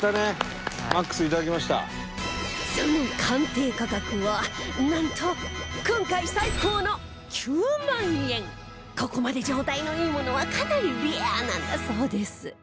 その鑑定価格はなんと、今回最高の９万円ここまで状態のいいものはかなりレアなんだそうです